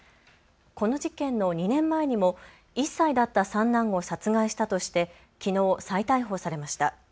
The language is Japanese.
この事件の２年前にも１歳だった三男を殺害したとしてきのう再逮捕されました。